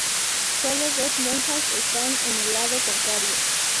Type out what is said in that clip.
Sólo dos monjas están en el lado contrario.